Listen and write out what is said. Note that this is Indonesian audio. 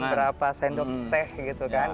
berapa sendok teh gitu kan